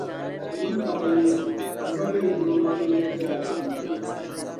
Wuntaŋ luya ka m ba Neindoo mabiligu zaa laɣim na.